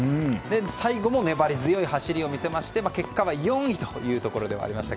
最後も粘り強い走りを見せまして結果は４位というところでした。